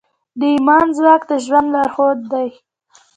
د ایمان ځواک د ژوند لارښود دی.